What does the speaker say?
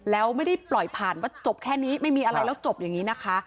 แล้วไม่ได้ปล่อยผ่านว่าจบแค่นี้ไม่มีอะไรแล้วจบอย่างนี้นะคะ